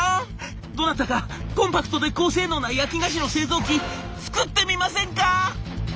どなたかコンパクトで高性能な焼き菓子の製造機作ってみませんか？」。